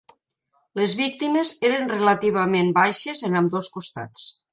Les víctimes eren relativament baixes en ambdós costats.